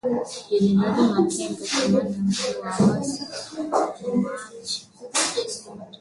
Jenerali Makenga kamanda mkuu wa waasi wa Machi ishirini na tatu amerudi Jamuhuri ya Kidemokrasia ya Kongo kuongoza mashambulizi